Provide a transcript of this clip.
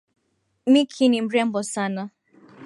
Micky ni mrembo sana.